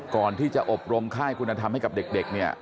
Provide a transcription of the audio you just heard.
ก่อนที่จะอบรมค่ายคุณธรรมให้เด็ก